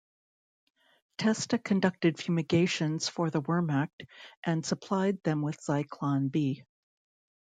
Testa conducted fumigations for the Wehrmacht and supplied them with Zyklon B.